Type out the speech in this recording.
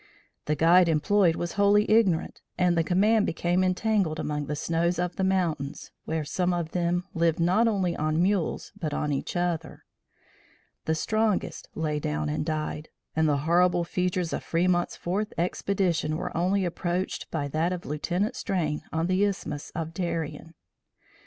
The guide employed was wholly ignorant and the command became entangled among the snows of the mountains, where some of them lived not only on mules but on each other. The strongest lay down and died, and the horrible features of Fremont's fourth expedition were only approached by that of Lieutenant Strain on the Isthmus of Darien.